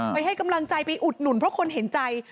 ให้กำลังใจไปอุดหนุนเพราะคนเห็นใจ